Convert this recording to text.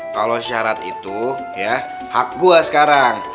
kalau syarat itu ya hak gue sekarang